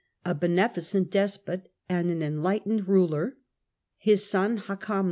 a beneficent despot and cordova an enlightened ruler, his son Hakam II.